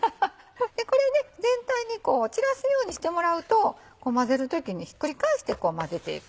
これ全体に散らすようにしてもらうと混ぜる時にひっくり返して混ぜていく。